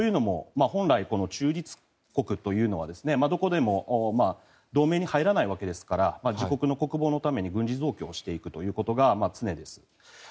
本来、中立国というのはどこにも同盟に入らないわけですから自国の国防のために軍事増強していくことが常です。